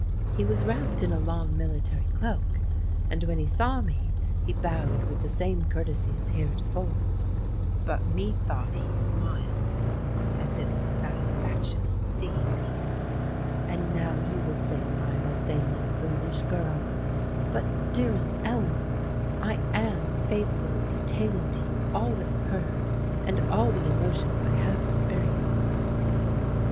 He was wrapped in a long military cloak; and when he saw me, he bowed with the same courtesy as heretofore;—but methought he smiled, as if with satisfaction at seeing me. And now you will say that I am a vain and foolish girl;—but, dearest Ellen, I an faithfully detailing to you all that occurred, and all the emotions I have experienced."